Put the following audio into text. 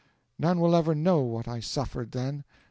'None will ever know what I suffered then.